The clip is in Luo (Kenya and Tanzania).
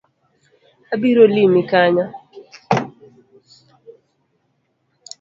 Abiro limi kanyo